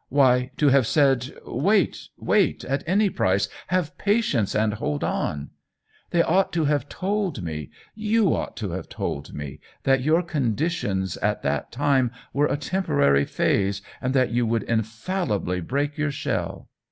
" Why, to have said, * Wait, wait — at any price ; have patience and hold on V They ought to have told me, you ought to have told me, that your conditions at that time were a temporary phase, and that you would infallibly break your shell.